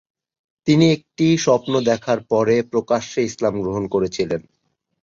তিনি একটি স্বপ্ন দেখার পরে প্রকাশ্যে ইসলাম গ্রহণ করেছিলেন।